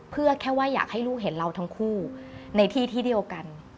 เพื่อแค่ว่าอยากให้ลูกเห็นเราทั้งคู่ในที่ที่เดียวกัน